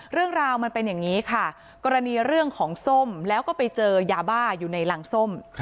เรื่องราวมันเป็นอย่างนี้ค่ะกรณีเรื่องของส้มแล้วก็ไปเจอยาบ้าอยู่ในรังส้ม